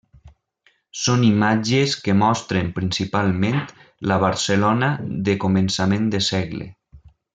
Són imatges que mostren, principalment, la Barcelona de començament de segle.